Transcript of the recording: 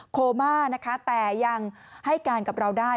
โคม่านะคะแต่ยังให้การกับเราได้